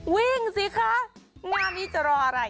วิ่งสิคะงานนี้จะรออะไร